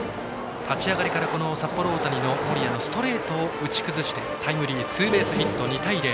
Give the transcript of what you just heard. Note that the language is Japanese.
立ち上がりから札幌大谷の森谷のストレートを打ち崩してタイムリーツーベースヒット。